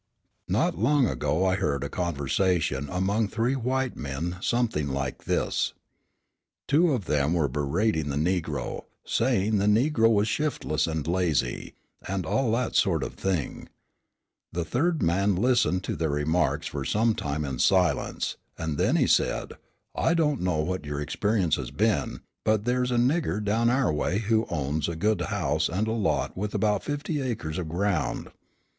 Not long ago I heard a conversation among three white men something like this. Two of them were berating the Negro, saying the Negro was shiftless and lazy, and all that sort of thing. The third man listened to their remarks for some time in silence, and then he said: "I don't know what your experience has been; but there is a 'nigger' down our way who owns a good house and lot with about fifty acres of ground.